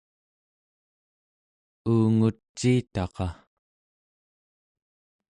uunguciitaqa